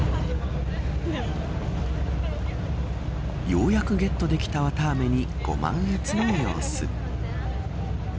ようやくゲットできたわたあめにご満悦の様子。